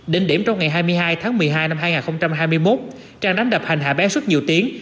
đỉnh điểm trong ngày hai mươi hai tháng một mươi hai năm hai nghìn hai mươi một trang đánh đập hành hạ bé suốt nhiều tiếng